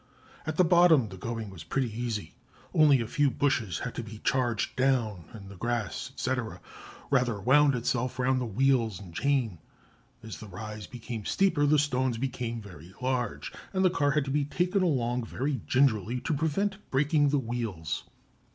At the bottom the going was pretty easy; only a few bushes had to be charged down, and the grass, &c., rather wound itself around the wheels and chain. As the rise became steeper the stones became very large, and the car had to be taken along very gingerly to prevent breaking the wheels.